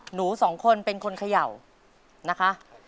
หนูสองคนเป็นคนเขย่านะคะ